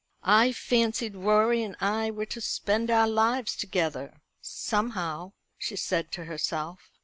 "I fancied Rorie and I were to spend our lives together somehow," she said to herself.